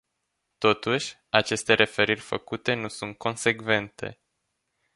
Totuși, aceste referiri făcute nu sunt consecvente.